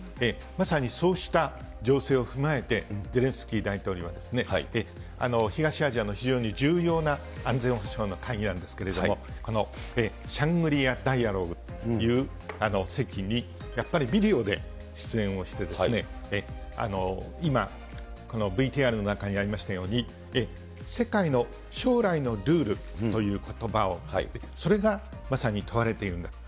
まさにそうした情勢を踏まえて、ゼレンスキー大統領は、東アジアの非常に重要な安全保障の会議なんですけれども、このシャングリラ・ダイアローグという席に、やっぱりビデオで出演をして、今、このＶＴＲの中にありましたように、世界の将来のルールということばを、それがまさに問われているんだと。